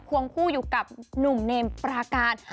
วงคู่อยู่กับหนุ่มเนมปราการ